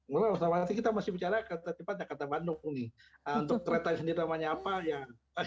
ngomong ngomong kita masih bicara kata kata bandung ini untuk retaknya namanya apa ya